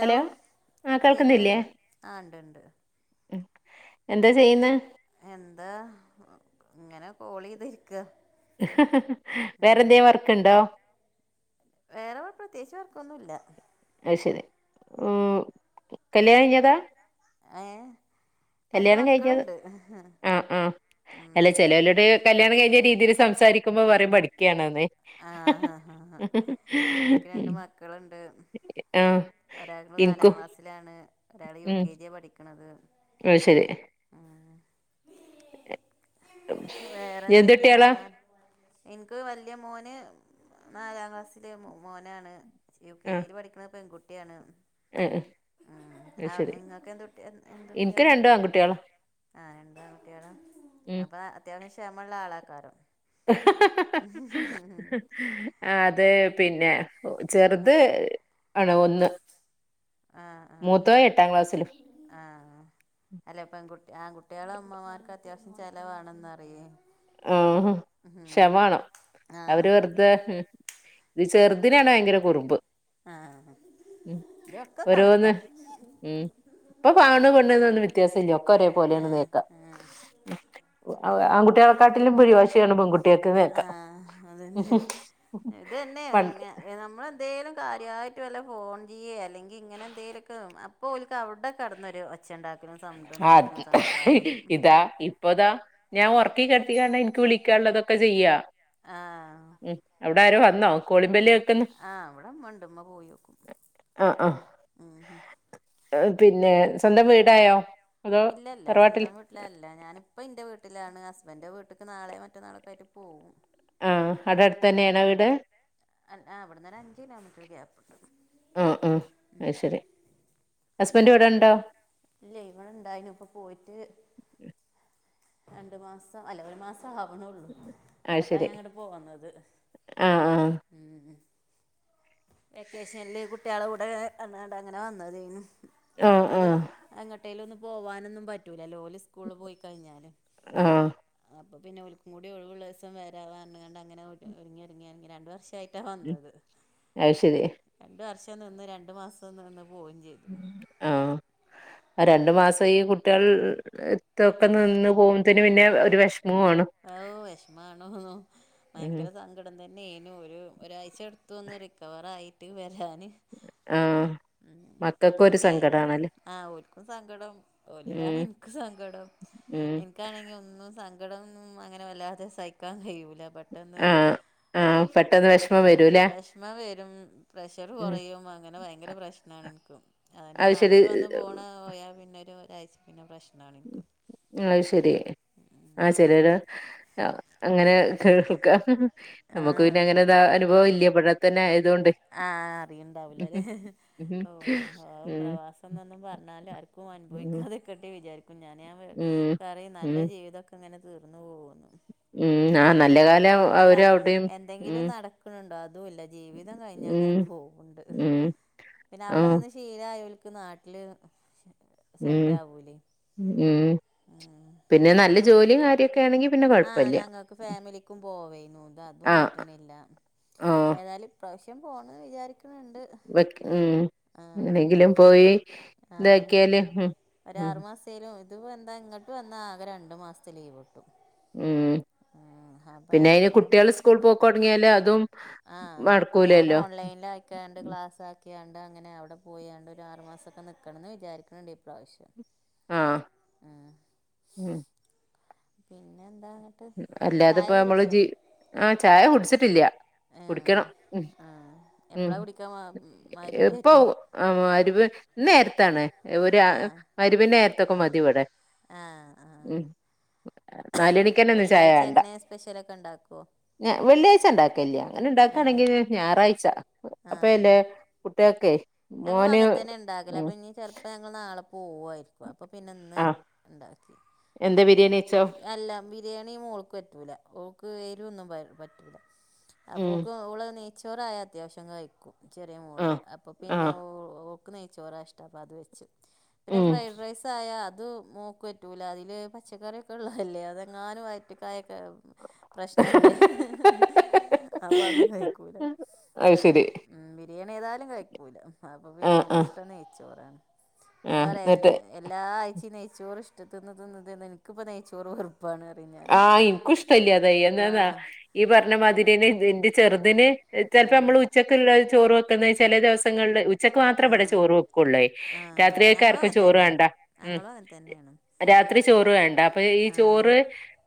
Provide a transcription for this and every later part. Hello ആഹ് കേൾക്കുന്നില്ലേ കേക്കണില്ലേ ആ ഉണ്ട് ഉണ്ട് എന്താ ചെയ്യ്ന്ന എന്താ ഇങ്ങനെ കോളി ഇത് രിക്ക വേറെന്തെ വർക്ക്ണ്ടോ വേറെടെ പ്രത്യേകിച്ച് അവർക്കൊന്നുല്ല അത് ശരി മ്ഹ് കല്യാണം കഴിഞ്ഞതാ ഏ രണ്ട് കല്യാണം കഴിഞ്ഞത് മക്കള്ണ്ട് ആ ആ അല്ല ചെലേലോട് കല്യാണം കഴിഞ്ഞ രീതിയില് സംസാരിക്കുമ്പോ പറയും പഠിക്കാണന്നേ ആഹ് ഹാ ഹാ ഹാ ഇനിക്ക് രണ്ട് മക്കള്ണ്ട് ആഹ് ഒരാളിപ്പോ നാലാം ക്ലാസ്സിലാണ് ഒരാള് യു കെ ജി യ പഠിക്കണത് അഹ് ശരി ആഹ് വേറെ എന്ത് എന്തെക്കെയാ കുട്ടികളാ വർത്താൻ ഇൻക്ക് വലിയ മോന് നാലാം ക്ലാസ്സില് മോനാണ് യു കെ ആ ജിയിൽ പഠിക്കണ പെൺകുട്ടിയാണ് ആ ആ ഉം അത് അ നിങ്ങക് എന്ത് കുട്ടിയാ എന്ത് കുട്ട്യളാ ഇക്ക് ആൺകുട്ടിളാ ആഹ് രണ്ടാ ആണ് കുട്ടികളാ ഉം അപ്പൊ അത്യാവശ്യം ക്ഷമ ഉള്ള ആളക്കാരം ആഹ് അതെ പിന്നെ ചെർത് ആണോ ഒന്ന് ആഹ് മൂത്തോൻ എട്ടാം ആഹ് ക്ലാസ്സിലും ആഹ് അല്ലെ പെൺ ആകുകുട്ടികളെ അത്യാവശ്യം ചെലവാണെന്ന് പറയെ ആഹ് ഹ് ക്ഷമ വേണം ആ അവര് വെറുതെ ഹ് മ് ഇത് ചെറുതിനാണ് ഭയങ്കര കുറുമ്പ് ആഹ് ഉം ഇതൊക്കെ കണ്ക്ക ഓരോന്ന് ഉം ഇപ്പൊ ആണ് പെണ്ണ് ന്നെന്നും വ്യത്യാസമില്ല ഒക്കെ ഒരേ ആ പോലേണ് നിക്കാ ആ അ ആൺകുട്ട്യളെ ക്കാട്ടിലും പിടി വാഷിയാണ് പെൺകു ആഹ് അതന്നെ ഇത് തന്നെ പണ്ട് ന നമ്മള് എന്തേലും കാര്യമായിട്ടും വല്ല ഫോൺ ചെയ്യ അല്ലെങ്കിൽ ഇങ്ങനെ എന്തെലുംക്കെ അപ്പോ ഓൽക്ക് അവിടെ കടന്നൊരു ഒ ഒച്ച ഉണ്ടാക്ക്ണ സൗണ്ട് ഉണ്ടാക്ക്ണ സംസാരം ഇപ്പൊതാ ഞാ ഉറക്കി കിടത്തി കണ്ട് എനിക്ക് വിളിക്കാനുള്ളതൊക്കെ ചെയ്യാ ആഹ് ഉം അവിടെ ആരോ വന്നോ കോളിംബെല്ല് കേൾക്കുന്നു ആഹ് ഇവടെ ഇമ്മണ്ട് ഇമ്മ പോയോക്കും മ്ഹ് ഏഹ് പിന്നെ സ്വന്തം വീടായോ അതോ ഇല്ലല്ല തറവാട്ടിൽ സ്വന്തം വീ ഇല്ല ല്ലാ ഞാനിപ്പ എന്റെ വീട്ടിലാണ് ഹസ്ബൻഡിന്റെ വീട്ട്ക്ക് നാളെ മറ്റന്നാള് ഒക്കെ ആയിട്ട് പോവും ആഹ് അവിടെ അടുത്ത് തന്നെയാണോ വീട് ഇവിടെന്നരു അഞ്ച് കിലോമീറ്റർ ക്യാപിട്ടു. ആഹ് അ അത് ശരിഹസ്ബൻഡ് ഇവിടെ ഇണ്ടോ ഇല്ലേ ഇവിടെ ഇണ്ടായിനു ഇപ്പൊ പോയിട്ട് രണ്ടു മാസം അല്ല ഒരു മാസം ആവുണെള്ളൂ അത് ഇന്നട്ടാ ശരി ഞാൻ ഇങ്ങട്ട് പോന്നത് ആഹ് ഉം വെക്കേഷനിൽ കുട്ടികള കൂടെ വന്ന് ങ്ങാണ്ട് അങ്ങനെ വന്നതേനു ആഹ് ആഹ് മറ്റേത് ആഹ് എങ്ങട്ടേലൊന്നും പോവാനൊന്നും പറ്റൂലല്ലോ ഓല് ഇസ്കൂളിൽ പോയി കഴിഞ്ഞാല് ആഹ് അപ്പ പിന്നെ ഓൽക്കുങ്കൂടി ഒഴിവുള്ള ദിവസം വരാർഞ്ഞ്ങ്ങാണ്ട് അങ്ങനെ ഒരുങ്ങി ഒരുങ്ങി രണ്ട് വർഷ് ലെയ്ട്ടായിട്ടാ വന്നത് അത് ശരി രണ്ട്‌ വർഷം നിന്ന് രണ്ടു മാസം നിന്ന് പോവും ചെയ്തു ആ രണ്ടു മാസം ഈ കുട്ട്യാൾ ഇത്രക്കെ നിന്ന് പോകുമ്പോത്തിന് പിന്നെ ഒരു വിഷമാണ്. ഔ വിഷമാണോന്നൊ ഉം ഭയങ്കര സങ്കടം തന്നെയാനു ഒരു ഒരാഴ്ച എടുത്തു ഒന്ന് റിക്കവറായിട്ട് വരാന്. ആഹ് ഇപ്പോ മക്കൾക്കും ഓ ഒരു ക്കെയായി സങ്കടാണല്ലേ ആ ഓൽക്കും സങ്കടം ഓലില്ലാണ്ട് ഉം ഇനിക്കും സങ്കടം ഉം എ ഇനിക്കാണെങ്കിൽ ഒന്നും സങ്കടം ഒന്നും അങ്ങനെ വല്ലാതെ സഹിക്കാൻ കഴിയൂല പെട്ടെന്ന് ആ ആ പെട്ടെന്ന് വെശ് വിഷമം വരും പ്രഷർ ഉം കുറയും അങ്ങനെ ഭയങ്കര പ്രശ്നാണ് ഇന്ക്ക് അതന്നെ അത് ശരി നാട്ടിൽ വന്ന പോണ പോയാ പിന്നെ ഒരാഴ്ച്ച പിന്നെ പ്രശ്നാണ് ഇൻക്ക്. അയ്ശരി ആ ചെലോര് അങ്ങനെ കേൾക്കാം നമുക്ക് ആഹ് പിന്നെ അങ്ങനെ ന്താ അനുഭവം ഇല്ലേ ഇബടെത്തത്തെആയതു കൊണ്ടെ ആഹ് അറിയിണ്ടാവൂലലെ ഉം പ്രവാസം എന്നൊന്നും പറഞ്ഞാൽ ആർ ക്കു ഉം അനുഭവിക്കാതെ. കെട്ടി വിചാരിക്കും ഞാന് ഉം പറയും നല്ല ഉം ജീവിതൊക്കെ ഇങ്ങനെ തീർന്നു പോകോന്ന്. ഉം ആ നല്ല കാലം ന്ന അവര് കാൽ അവിടെയും ഉം എന്തെങ്കിലും നടക്ക്ണ് ണ്ടോ അതും ഇല്ല ജീവിതം കഴിഞ്ഞ ഉം അങ്ങനെ പോ പോക്ണ്ട് ഉം പിന്നെ ആ അവിടെ നിന്ന് ശീലായോൽക്ക് നാട്ടിൽ ഉം ഉം പിന്നെ നല്ല ജോലിയും കാര്യൊക്കെ യാണെങ്കി പിന്നെ കേ ആ ഞങ്ങക്ക് ഫാമിലിക്കും പോവേനു ഇത് അതും ആ പറ്റ്ണില്ല ആ ഏതായാലും ഇപ്രാവശ്യം പോണം വിചാരിക്കിണണ്ട്. വെക് ഉം എങ്ങനെങ്കിലും പോയി ഇതാക്കിയാല് ഉം ഉം അസൈരു ഇത്പ്പോഎന്താ ഇങ്ങോട്ട് വന്നാ ആകെ രണ്ടു മാസത്തേലീവ് കിട്ടും അപ്പം പിന്നെ ഞാൻ അയ്ന് കുട്ടികൾ സ്കൂൾ പോക്ക് തുടങ്ങിയാലും അതും ആ അപ്പോ ഞാൻ നടക്കൂലല്ലോ ഓൺലൈനായി രണ്ട് ഉം. ക്ലാസ് ആക്കി ആണ്ട് അങ്ങനെ അവിടെ പോയി ആണ്ട് ഒരു ആറുമാസം ഒക്കെ നിക്കണം ന്ന്‌ വിചാരിക്ക്ണ്ട് ഇപ്രാവശ്യം. ആഹ് ഉം ഉം പിന്നെ എന്താണ് അല്ലാതപ്പോനമ്മള് ജി ആ ചായ കുടിച്ചിട്ടില്ല ആഹ് കുടിക്കണം ഉം ആഹ് ഉം എപ്പളാ കുടിക്കാൻ മഗ്‌രിബ് ആയിട്ടോ എപ്പാവും. ആ മഅ് രിബ് ഇന്നേര്ത്താണ് ഒരു മഅ് രിബിന്റെ നേര്ത്തൊക്കെ മതി ഇവിടെ. ആ ഹ് ആഹ് ഉം നാലണി. വെള്ളിയാഴ്ച എങ്ങനെ സ്പെഷലൊക്കെ ഇണ്ടാക്കോ വെള്ളിയാഴ് ഇണ്ടാക്കല്ലേ ഞാന് ആഹ് ഇണ്ടാക്കയാണെങ്കി ഞായറാഴ്ച ആഹ് അപ്പല്ലെ കുട്ട്യേൾക്കെ ഞങ്ങളും അങ്ങനെ തന്നെ ഇണ്ടാക്കല് അപ്പഞ്ഞി ചെൽ അപ്പോ ഞങ്ങൾ നാളെ പോവായിരിക്കും അപ്പോ പിന്നെഇന്ന് ആ ഇണ്ടാക്കി എന്താ ബിരിയാണി വെച്ചോ അല്ലാ വി ബിരിയാണി മോൾക്ക്പറ്റൂല ഓൾക്ക് എരിവൊന്നും പറ്റൂല. ഉം അപ്പോക്ക് ഓള് നെയ്ച്ചോറായ അത്യാവശ്യം കഴിക്കും ചെറ്യേ ആ മോള് അപ്പ ആ പിന്നെ ഓൾ ഓക്ക് നെയ്‌ച്ചോറാ ഇഷ്ടം അപ്പ അത് വെച്ച് പിന്നെ ഉം ഫ്രൈഡ് റൈസായാ അത് മോക്ക് പറ്റൂല അതില് പച്ചക്കറ്യോക്കെ ള്ളതല്ലേ അതെങ്ങാനും വയറ്റ്ക്കായ കെ ഉം പ്രശ്നല്ലേ അപ്പ അതും കഴിക്കൂല അത് ശരി ഉം ബിരിയാണ്യേതാലും കഴിക്കൂല അപ്പൊ ആ ആ പിന്നോഓക്ക് ഇഷ്ടം നെയ്ച്ചോറാണ് ഞാൻ ആ പറയണ്ട എന്നിട്ട് എല്ലാ ആഴ്ച്ചിം നെയ്ച്ചോറ് ഇഷ്ടത്തിന് തിന്ന് തിന്ന് ൻക്ക്പ്പ നെയ്ച്ചോറ് വെറുപ്പാണ് പറയും ഞാന് ആഹ് ഇൻകുഷ്ടല്ലാ അത് എന്താന്ന ആഹ് ഈ പറഞ്ഞ മാതിര്യെന്നേ ത് ന്റെ ചെറ്തിന് ചെൽപ്പോ നമ്മള് ഉച്ച ത്ള്ളോർ ചോറ് വെക്ക്ന്ന് ചെല ദവസങ്ങളിലെ ഉച്ചക്ക് മാത്രേ ഇവടെ ആഹ് ചോറ് വെക്കൊള്ളെ ആഹ് ഞങ്ങളും രാത്രികക്കാർക്കും അങ്ങനെ തന്നെ ചോറാണ്ടാ ഞങ്ങളും അങ്ങനെ തന്നെയാണ് രാത്രി ചോറ് വേണ്ട അപ്പൊ ഈ ആഹ് ചോറ്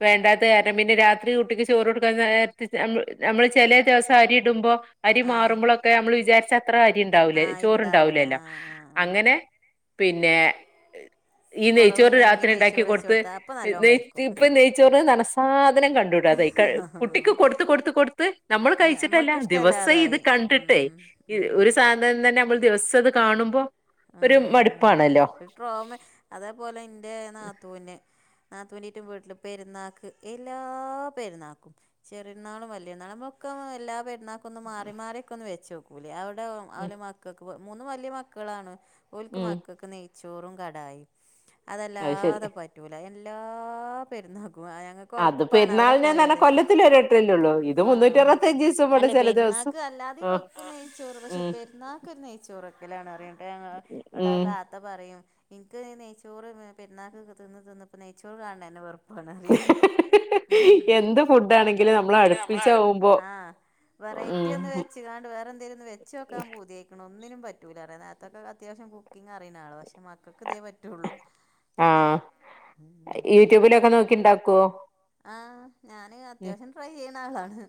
വേണ്ടാത്തെ കാരണം പിന്നെ രാത്രി കുട്ടിക്ക് ചോറൊടുക്കാൻ നേരത്ത് ഞമ്മ ഞമ്മള് ചെലെ ദെവസരിടുമ്പോ അരി ആഹ് മാറുമ്പളൊക്കെ അമ്മള് വിചാര്ച്ചത്ര അരി ഇണ്ടാവ്ലെ ആഹ് ചോറ് ഇണ്ടാവൂല ഇണ്ടാവ്ലല്ലോ ആഹ് ആഹ് ആഹ് അങ്ങനെ പിന്നെ ഈ നെയ്ച്ചോറ് കൊറവുണ്ടെങ്കി രാത്രി ഇണ്ടാക്കി നെയ്ച്ചോറ് വെച്ച് കൊട്ത്ത് കൊടുത്താ അപ്പൊ നല്ലോം നെയ് കഴിക്കും ഇപ്പ നെയ് ചോറ് ന്നർഞ സാധനം കണ്ടൂടാതായി ക കുട്ടിക്ക് കൊട്ത്ത് കൊട്ത്ത് കൊട്ത്ത് നമ്മള് കഴിച്ചിട്ടല്ല നമ്മക്ക് ദിവസം ഇത് ഇഷ്ടല്ലാതായി കണ്ടിട്ടേ ഉം ഇ ഉം ഒരു സാധനം തന്നെ നമ്മൾ ദിവസം ത് കാണുമ്പോ ആ ഒരു അതന്നെ മടുപ്പാണല്ലോ ഇ ട്രോമെ അതേപോലെ ന്റെ നാത്തൂന് നാത്തൂന്റീറ്റെ വീട്ട്ല് പെര്ന്നാൾക്ക് എല്ലാ പെര്ന്നാൾക്കും ചെറ്യര്ന്നാളും വല്ല്യര്ന്നാളും മ്മ ക്കെ എല്ലാ പെര്ന്നാക്കൊന്ന് മാറി മാറ്യൊക്കൊന്ന് വെച്ചോക്കൂലേ ആ ഒരു ണ്ടാവും ഉം അവല മക്കക്ക് മൂന്ന് വല്ല്യ മക്കളാണ് ഓൽക്ക് ഉം മക്കക്ക് നെയ്ച്ചോറും കടായിം അത് ശരി അതല്ലാതെ പറ്റൂല എല്ലാ പെര്ന്നാക്കും അ ഞങ്ങ അത് ക്കൊർപ്പാണ് അവ്ടെ പെരുന്നാളിന്ന്ന് പോയ പറഞ്ഞാൽ തേകാ കൊല്ലത്തിൽ ഒരു വട്ടല്ലേ ഉള്ളൂ ഇത് മുന്നൂറ്റി ആഹ് അറുപത്തഞ്ച് ദിവസം ഇവിടെ അല്ലെ ചില ദിവസം പെര്ന്നാക്ക് അല്ലാതിം ആ വെ നെയ്ചോറ് പഷെ ഉം പെര്ന്നാക്കൊര് നെയ്ച്ചോറെക്കലാണറിയു വ്ടെ ഞങ്ങള വ്ടെ ഉം താ ത്ത പറയും ഇൻക്ക് നെയ്ച്ചോറ് പെര്ന്നാക്കൊക്കെ തിന്ന് തിന്ന് പ്പ നെയ്ച്ചോറ് കാണ്ണെന്നെ വെർ കാണാറിം എന്ത് ഫുഡ് ആണെങ്കിലും നമ്മൾ അടുപ്പിച്ചാവുമ്പോ ആഹ് ഉം വെറൈറ്റി ഒന്ന് വെച്ച് കാണ്ട് വേറെന്തേലൊന്ന് വെച്ചോക്കാൻ പൂത്യായിക്ക്ണ് ഒന്നിനും പറ്റൂലടെ [unintelligible] അത്യാവശ്യം കുക്കിങ്ങറിയണ ആളാ പക്ഷെ മക്കക്ക് ഇതേ പറ്റുള്ളൂ ആഹ് യൂട്യൂബിലൊക്കെ നോക്കി ഇണ്ടാക്കൊ ആഹ് ഞാന് അത്യാവശ്യം ട്രൈ ചെയ്യ്ന്നാളാണ്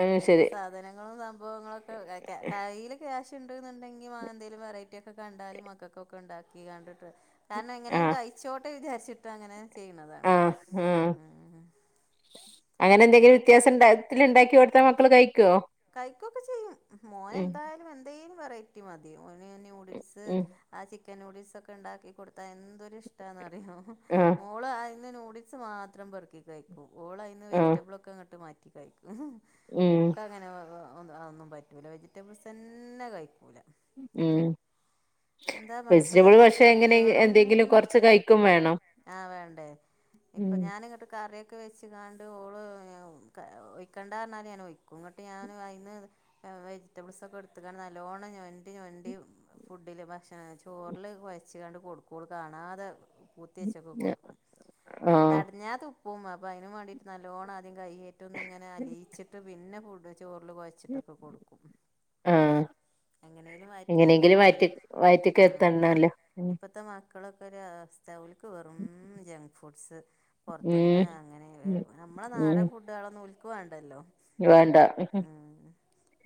അത് എന്ത് ശരി സാധനങ്ങളും സംഭവും ഒ എ കെ കയ്യിൽ ക്യാഷ് ണ്ട്ന്ന്ണ്ടെങ്കി വ ന്തേലും വെറൈറ്റിയൊക്കെ കണ്ടാല് മക്കക്കൊക്കെ ണ്ടാക്കി കണ്ടിട്ട് കാരണം എങ്ങനേം ആഹ് കഴിച്ചോട്ടെ വിചാര്ച്ചിട്ടങ്ങനെ ചെയ്യ്ണത് ആഹ് ആഹ് ഉം അങ്ങനെ ന്തെങ്കി വ്യത്യാസം ണ്ട ത്തിൽ ണ്ടാക്കി കൊട്ത്ത മക്കള് കഴിക്കോ കഴിക്കൊക്കെ ചെയ്യും മോനെന്തായാലും എന്തേലും വെറ റ്റി മതി ഓന് ന്യൂഡിൽസ് ഉം ആ ചിക്കൻ നൂഡിൽസൊക്കെണ്ടാക്കി കൊടുത്താ എന്തൊര് ട്ടാന്നറ്യോ ആഹ് മോള് അയ്ന്ന് നൂഡിൽസ് മാത്രം പെർക്കി കൈ ഓൾ അയ്ന്ന് ആഹ് വെജിറ്റബ്ളൊക്കെ ങ്ങട്ട് മാറ്റി കൈക്കും ഉം ഓക്കഹ് അങ്ങനെ അഒന്നും പറ്റൂല വെജിറ്റബിൾസെന്നെ കഴിക്കൂല ഉം എന്താ പറയ ഇപ്പത്തെ വെജിറ്റബിൾ പക്ഷെ മക്കൾക്ക് എങ്ങനെ എന്തെങ്കിലും കൊർച്ച് കഴിക്കും വേണം ആഹ് വേണ്ടേ ഇപ്പൊ ഉം ഞാനിങ്ങട്ട് കറി ക്കെ വെച്ച്കാണ്ട് ഓള് ക ഒയിക്കണ്ടാർഞ്ഞാലും ഞാനൊയിക്കും ഇങ്ങട്ട് ഞാന് അയ്ന്ന് വെജിറ്റബിൾസൊക്കെ ഇട്ത്ത്കാണ്ട് നല്ലോണം ഞൊണ്ടിഞൊണ്ടി തില് ഭക്ഷണം ചോറ്ൽ കൊയ്ച്കാണ്ട് കൊട്ക്കും ഓള് കാണാതെ പൂത്യെച്ചൊക്കെ കൊട്ക്കും ആഹ് തടഞ്ഞ തുപ്പും അപ്പ അയ്നും വേണ്ടീട്ട് നല്ലോണം ന് കൈയ്യേറ്റൊന്ന്ങ്ങനെ അലിയിച്ചിട്ട് പിന്നെ ഫുഡും ചോറിൽ കൊയ് ച്ചിട്ടൊക്കെ കൊട്ക്കും ആഹ് എങ്ങനേലും വയറ്റിലായി എങ്ങനെയെങ്കിലും ജാർച് വയറ്റി [unintelligible] വയറ്റിക്ക് ആഹ് എത്തണല്ലോ ഉം ഇപ്പത്തെ മ ക്കളൊക്കെ ഒരു അവസ്ഥ ഓൽക്ക് വെറും ജങ്ക് ഫുഡ്സ് പൊർത്ത്ന്ന് അങ്ങനെ എ ഉം നമ്മളെ ഉം നാടൻ ഫുഡേളൊന്നു ഓൽക്ക് വാണ്ടല്ലോ വേണ്ട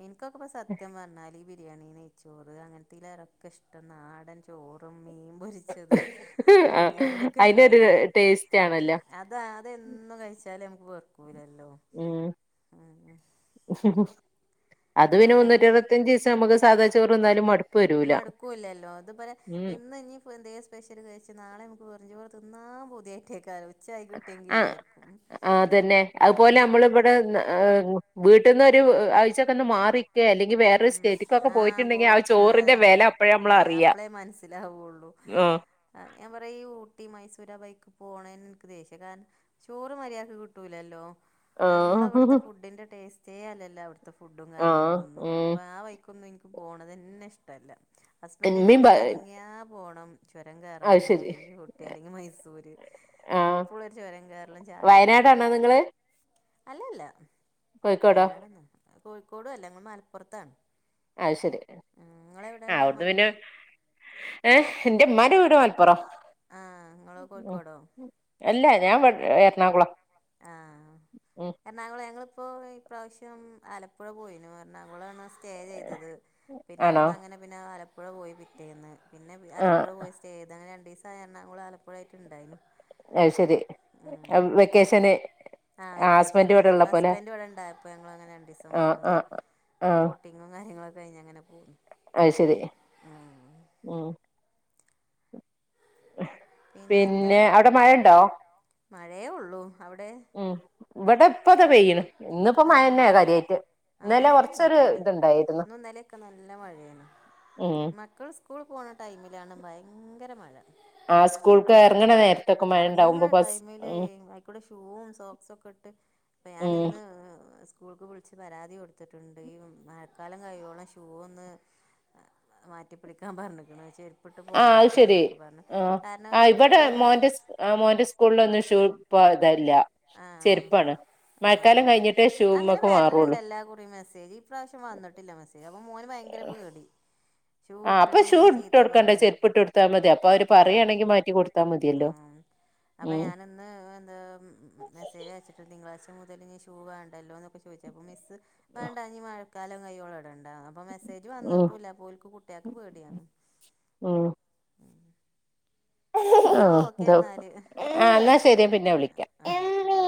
ഇൻക്കൊക്കെ പ്പ സത്യം പർഞാല് ഈ ബിരിയാണി നെയ്ച്ചോറ് അങ്ങൻത്തെയ്ലേറൊക്കഷ്ടം നാടൻ ച് ചോറും മീൻ പൊരിച്ചത് അങ്ങെ അയിൻ്റൊക്കെ ഒരു അയിനൊരു ഫാനാണ് ടേസ്റ്റ് ആണല്ലോ അത അതെന്നും കഴിച്ചാലും നമുക്ക് വെർക്കൂലല്ലോ ഉം അത് പിന്നെ അവിടെ എങ്ങട്ടെന്നെ മുന്നൂറ്റെഴുപത്തിയഞ്ച് ദിവസം നമ്മക്ക് സാധാ ചോറ് ന്നാലും മടുപ്പ് വരൂല മടുക്കൂല്ലല്ലോ ഇത്പോലെ ഉം ഇന്ന് ഞ്ഞി [unintelligible] സ്പെഷ്യല് കഴിച്ച് നാളെ നമ്മക്ക് വെറും ചോറ് തിന്നാം പൂതിയായിട്ടേക്കാരം ഉച്ചായി കിട്ടിയെങ്കി വിചാരിക്കും ആ അതെന്നെ ഔപോലെ യമ്മളിവിടെ ന്ന ഏ വീട്ട്ന്നൊരു ആഴ്ചക്കെന്ന് മാറി ക്കെ അല്ലെങ്കി വേറൊരു ഉം സ്റ്റേറ്റിക്കൊക്കെ ആഹ് പോയിറ്റ്ണ്ടെങ്കി പോയി ആഹ് ആ ചോറിന്റെ വെല നമ്മ അപ്പഴ അമ്മൾ അല്ല അറിയ ഉം ആ ആഹ് ഞാൻ പറയാ ഈ ഊട്ടി മൈസൂർ ആ ബൈക്കി പോണെൻ ഇൻക്ക് ദേഷ്യ കാൻ ചോറ് മര്യാക്ക് കിട്ടൂലല്ലോ ആ നമ്മളെ വട്ത്തെ ഫുഡിന്റെ ടേസ്റ്റേ അല്ലല്ലോ അവിടുത്തെ ഫുഡും ആ കാര്യങ്ങളൊന്നു അ പ്പ ഉം ആ വയ്ക്കൊന്നു ഇൻക്ക് പോണതെന്നെഷ്ടല്ല ഇമ്മീം ഹസ്ബൻ്റിനാണെങ്കി അനങ്ങ്യാ പോണം ചുരം അത് കേറാന് ശരി അല്ലെങ്കി ഊട്ടി അല്ലെങ്കി മൈസൂര് എപ്പോഴു ഒരു ചുരം കയറലും ചായു വനാടാണോ നിങ്ങള് അല്ല അല്ല കോഴിക്കോടോ വയനാടൊന്നുല്ല കോഴിക്കോടൊല്ല ങ്ങള് മൽപ്പുറത്താണ് അയ്‌ ശരി ആ ഔണ്ട് പിന്നെ മലപ്പുറം എഹ് ന്റെ മ്മാൻ്റെ വീട് മലപ്പുറം ആഹ് നിങ്ങള് ഉം കോഴിക്കോടോ അല്ല ഞാൻ വട് എർണാകുളം ആഹ് എറണാകുളം ഞങ്ങളിപ്പോ ഇപ്രാവശ്യം ആലപ്പുഴ പോയിനു എറണാകുളാണ സ് സ്റ്റേ ചെയ്തത് പിന്നെ ആണോ അവിടുന്നങ്ങനെ പിന്നെ ആലപ്പുഴ പോയി പിറ്റേന്ന് പിന്നെ ആ ആലപ്പുഴ പോയി സ് എതങ്ങനെ രണ്ടീസായി എർണാകുള ആലപ്പുഴായിട്ട്ണ്ടായിനു അയ്ശരി എം വെക്കേഷന് ആ ഹസ്ബൻഡ് വെക്കേഷന് ഇവിടെ അപ്പ ഉള്ളപ്പോലെ ഹസ്ബൻ്റ് വടെ ണ്ടായപ്പോ ഞങ്ങള് അങ്ങനെ രണ്ടീസം ആഹ് വന്ന് ആഹ് ആഹ് ബോട്ട് ട്ടിങ്ങും കാര്യങ്ങളൊക്കെഴിഞ്ഞങ്ങനെ പോന്നു അയ്ശരി ഉം പിന്നെന്താ പിന്നെ അവിടെ മഴണ്ടോ മഴേയൊള്ളൂ അവടെ ഉം ഇവടെ പ്പ താ പെയ്യ്ണ് ഇന്നിപ്പോ മഴെന്നെ കാര്യായിട്ട് ആ ഇന്നലെ ബടി കൊറച്ചൊരു അങ്ങൻത്തന്നെ ഇത്ണ്ടായിരുന്നു ന്നും ന്നലെക്കെ നല്ല മഴേണ് ഉം മക്കൾ സ് സ്കൂള് പോണ ടൈമിലാണ് ഭയങ്കര മഴ ആ സ്കൂൾക്ക് എർങ്ങണ നേര് അറങ്ങ്ണ ടൈമില് അയിക്കൂടെ ഷൂവും സോക്സൊക്ക്ട്ട് പ്പ ഞാന് ഉം ഇന്ന് സ് സ്കൂൾക്ക് വിളിച്ച് പരാതി കൊടുത്തിട്ടുണ്ട് യും മഴക്കാലം കയ്യോളം ഷൂ ഒന്ന് മാറ്റിപ്പിടിക്കാൻ പർഞ്ക്ക്ണ് ചെര് പട്ട് ആഹ് അത് പോന്നോട്ടെ ശരി ന്നൊക്കെ പർഞ് കാരണ ഈ സ്കൂള്ള് ആ മോന്റെ സ്കൂൾലൊന്നു ഷൂ ഇപ്പൊയതല്ല ആഹ് ചെര്പ്പാണ് ആഹ് ഹ അങ്ങനെ വെരല്ണ്ട് എല്ലാ കുറിം മെസ്സേജ് ഇപ്രാവശ്യം വന്നിട്ടില്ല മെസ്സേജ് അപ്പൊ മോന് ഭയങ്കര പേടി ഷൂ ആഹ് അപ്പൊ ഷൂ ഇട്ടിട്ടില്ലെങ്കി ഇട്ട് ചീത്ത കൊടുക്കണ്ട പറയും ചെരുപ്പ് ഇട്ട് കൊടുത്താ മതി അപ്പൊ അവര് ആഹ് പറയാണെങ്കി മാറ്റി കൊടുത്താ മതിയല്ലോ ആഹ് അപ്പ ഉം ഞാന്ന്ന് ഏ മെസ്സേജ് അയച്ചിട്ട് തിങ്കളാഴ്ച മുതല് ഞ് ഷൂ വേണ്ടല്ലോന്നൊക്കെ ചോയ്ച്ചപ്പൊ മിസ്സ് വേണ്ടാ ഞ്ഞി മഴക്കാലം കയ്യോളടണ്ടാ അപ്പൊ മെസ്സേജ് ഉം വന്നിട്ടൂല്ല അപ്പോൽക്ക് കുട്ട്യേക്ക് പേടിയാണ് ഉം ഉം ആഹ് തോ എന്നാല് ആന്നാ ശരി ഞാ പിന്നെ വിളിക്കാ ആഹ് ഓക്കെ